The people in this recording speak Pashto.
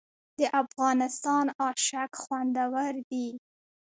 د افغانستان اشک خوندور دي